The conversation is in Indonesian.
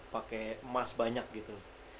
pake emas banyak gitu